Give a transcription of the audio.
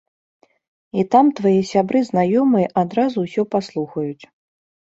І там твае сябры-знаёмыя адразу ўсё паслухаюць.